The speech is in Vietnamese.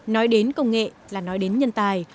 nói đến công nghệ là nói đến nhân tài